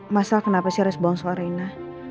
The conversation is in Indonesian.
masalah kenapa sih harus bohong suara reina